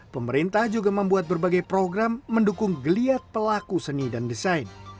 pemerintah juga membuat berbagai program mendukung geliat pelaku seni dan desain